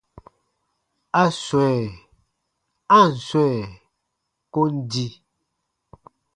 A swɛ̃, a ǹ swɛ̃ kon di.